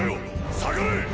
下がれ！